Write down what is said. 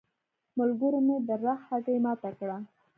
ملګرو مې د رخ هګۍ ماته کړه.